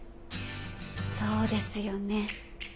そうですよね。